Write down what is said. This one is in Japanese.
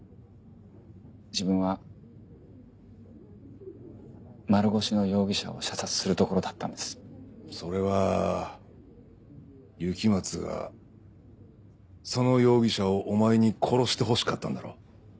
自分は丸腰の容疑者を射殺するところだったんでそれは雪松がその容疑者をお前に殺してほしかったんだろう